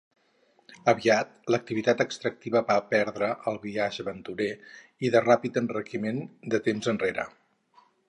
Aviat l'activitat extractiva va perdre el biaix aventurer i de ràpid enriquiment de temps enrere.